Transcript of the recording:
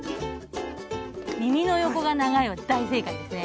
耳のよこが長いは大正解ですね。